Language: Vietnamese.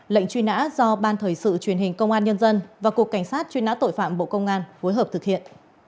lệnh truy nã do ban thời sự truyền hình công an nhân dân và cục cảnh sát truy nã tội phạm bộ công an phối hợp thực hiện